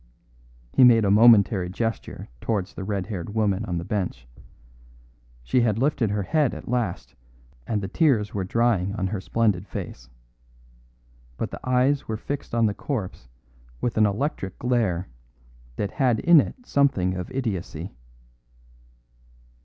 He made a momentary gesture towards the red haired woman on the bench. She had lifted her head at last and the tears were drying on her splendid face. But the eyes were fixed on the corpse with an electric glare that had in it something of idiocy.